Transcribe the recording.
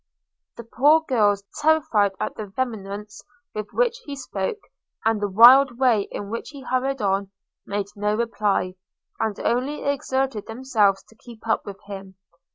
The poor girls, terrified at the vehemence with which he spoke, and the wild way in which he hurried on, made no reply, and only exerted themselves to keep up with him.